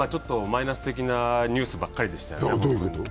マイナス的なニュースばっかりでしたよね。